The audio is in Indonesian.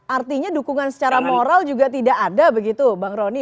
artinya dukungan secara moral juga tidak ada begitu bang roni